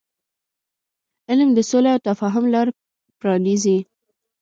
علم د سولې او تفاهم لار پرانیزي.